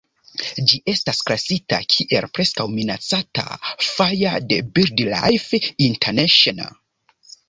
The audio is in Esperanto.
Ĝi estas klasita kiel "Preskaŭ Minacata" fare de Birdlife International.